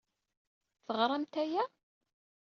Teɣṛamt aya?